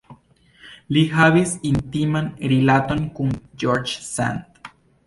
Li havis intiman rilaton kun George Sand.